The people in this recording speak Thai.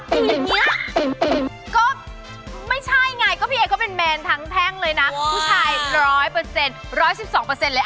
ทำงานแล้วก็บอกว่าไปเตะบนต่ออ่ะ